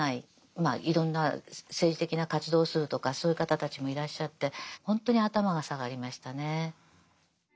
まあいろんな政治的な活動をするとかそういう方たちもいらっしゃってほんとに頭が下がりましたね。